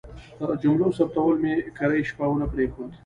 د جملو ثبتول مې کرۍ شپه ونه پرېښود.